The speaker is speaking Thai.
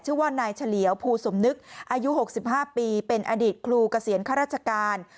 ชื่อว่านายเฉลียวภูสมนึกอายุ๖๕ปีเป็นอดีตครูเกษียณข้าราชการ